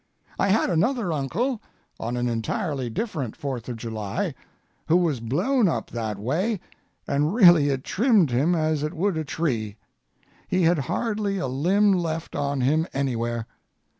I had another uncle, on an entirely different Fourth of July, who was blown up that way, and really it trimmed him as it would a tree. He had hardly a limb left on him anywhere.